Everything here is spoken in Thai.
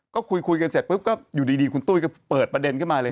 ก็คุยกันเสร็จปุ๊บก็อยู่ดีคุณตุ้ยก็เปิดประเด็นขึ้นมาเลย